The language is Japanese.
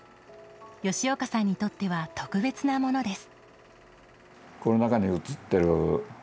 吉岡さんにとっては特別なものです。